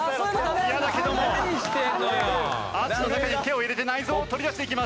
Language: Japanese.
嫌だけどもアジの中に手を入れて内臓を取り出していきます。